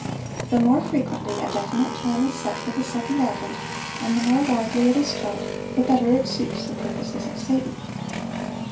The more frequently a definite time is set for the second advent, and the more widely it is taught, the better it suits the purposes of Satan.